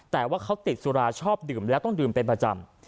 แต่ว่าเขาติดสุราชอบดื่มแล้วต้องดื่มเป็นประจำ